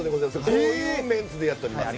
このメンツでやっております。